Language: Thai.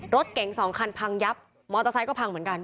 รถเก๋งสองคันพังยับมอเตอร์ไซค์ก็พังเหมือนกัน